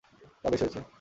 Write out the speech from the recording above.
তা, বেশ হয়েছে।